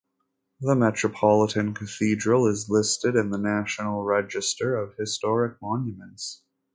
The Metropolitan Cathedral is listed in the National Register of Historic Monuments.